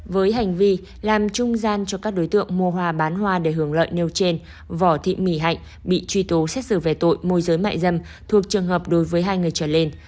với hành vi làm trung gian cho các đối tượng mua hoa bán hoa để hưởng lợi nêu trên võ thị mỹ hạnh bị truy tố xét xử về tội môi giới mại dâm thuộc trường hợp đối với hai người trở lên